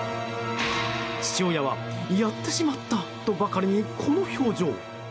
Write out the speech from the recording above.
父親は、やってしまった！とばかりに、この表情。